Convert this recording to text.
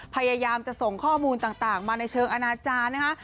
พยายามจะส่งข้อมูลต่างมาในเชิงอนาจารย์นะคะ